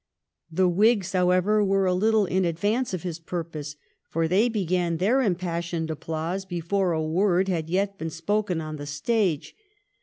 The Whigs, however, were a little in advance of his purpose, for they began their impassioned applause before a word had yet been spoken on the stage.